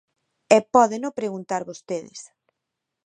E pódeno preguntar vostedes.